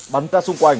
bắn ra xung quanh